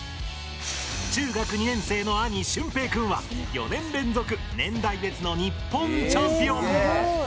中学２年生の兄しゅんぺーくんは４年連続年代別の日本チャンピオン。